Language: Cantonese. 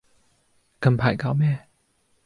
近排搞咩